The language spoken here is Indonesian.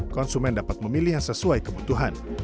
konsumen dapat memilih yang sesuai kebutuhan